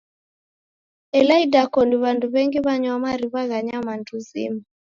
Ela idakoni w'andu w'engi w'anywa mariw'a gha nyamandu zima.